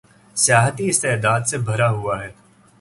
سیاحتی استعداد سے بھرا ہوا ہے